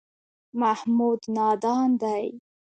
محمود نادان دی.